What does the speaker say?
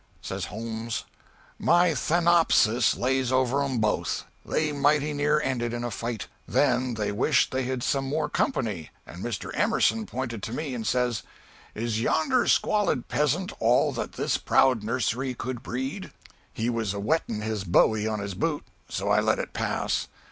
Says Holmes, 'My Thanatopsis lays over 'em both.' They mighty near ended in a fight. Then they wished they had some more company and Mr. Emerson pointed to me and says "'Is yonder squalid peasant all That this proud nursery could breed?' He was a whetting his bowie on his boot so I let it pass.